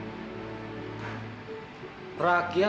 dengan rakyat dinda